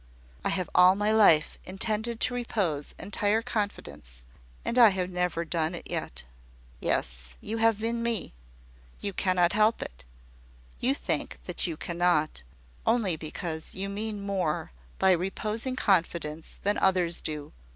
I have all my life intended to repose entire confidence, and I have never done it yet." "Yes: you have in me. You cannot help it. You think that you cannot, only because you mean more by reposing confidence than others do.